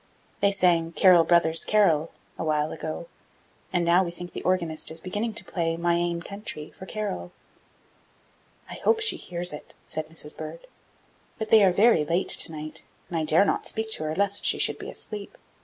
They sang 'Carol, brothers, carol,' a while ago, and now we think the organist is beginning to play 'My ain countree' for Carol." "I hope she hears it," said Mrs. Bird; "but they are very late to night, and I dare not speak to her lest she should be asleep.